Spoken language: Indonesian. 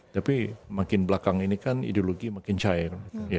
tapi makin belakang ini kan ideologi makin cair